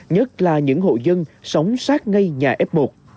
nhất là những hộ dân sống sát ngay nhà f một